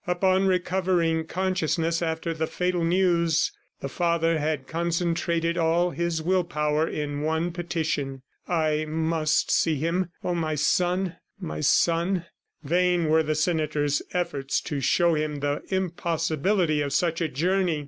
Upon recovering consciousness after the fatal news, the father had concentrated all his will power in one petition. "I must see him. ... Oh, my son! ... My son!" Vain were the senator's efforts to show him the impossibility of such a journey.